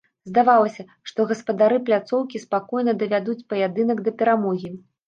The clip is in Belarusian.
Здавалася, што гаспадары пляцоўкі спакойна давядуць паядынак да перамогі.